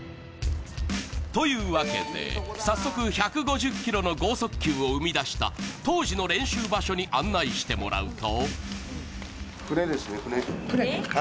というわけで、早速、１５０キロの剛速球を生み出した当時の練習場所に案内してもらうと。